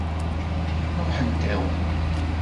Ṛuḥent-awen.